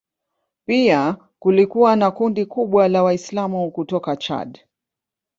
Pia kulikuwa na kundi kubwa la Waislamu kutoka Chad.